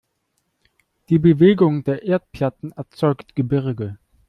Die Bewegung der Erdplatten erzeugt Gebirge.